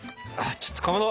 ちょっとかまど！